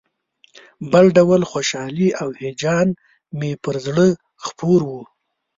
بل ډول خوشالي او هیجان مې پر زړه خپور و.